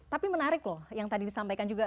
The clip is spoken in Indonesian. tapi menarik loh yang tadi disampaikan juga